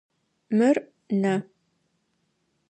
Мыр нэ.